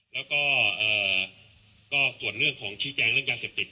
แล้วก็ส่วนเรื่องของชี้แจงเรื่องยาเสพติด